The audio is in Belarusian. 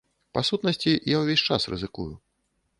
Па сутнасці, я ўвесь час рызыкую.